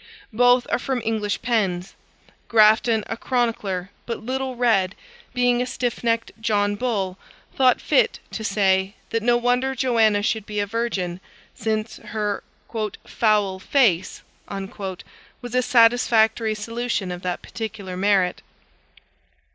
Both are from English pens. Grafton, a chronicler but little read, being a stiff necked John Bull, thought fit to say, that no wonder Joanna should be a virgin, since her "foule face" was a satisfactory solution of that particular merit.